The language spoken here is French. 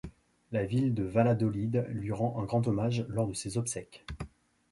La ville de Valladolid lui rend un grand hommage lors de ses obsèques.